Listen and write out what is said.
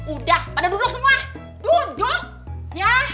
udah pada duduk semua duduk ya